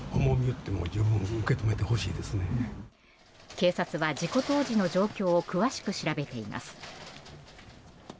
警察は事故当時の状況を詳しく調べています。